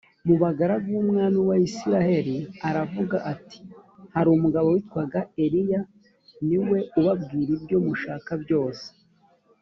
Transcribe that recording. mu bagaragu b’umwami wa isirayeli aravuga ati hari umugabo witwaga eliya niwe ubabwira ibyo mushaka byose